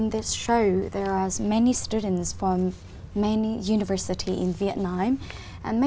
cũng thích có những người học việt nam nghĩa